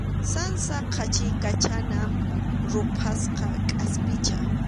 Sansa qachiykachana ruphasqa kʼaspicha.